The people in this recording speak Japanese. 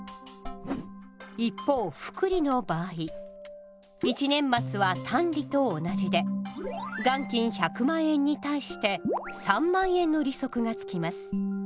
一方複利の場合１年末は単利と同じで元金１００万円に対して３万円の利息が付きます。